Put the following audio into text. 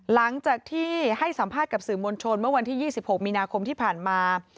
หลังจากที่ให้สัมภาษณ์กับสื่อมวลชนเมื่อวันที่๒๖มีนาคมที่ผ่านมา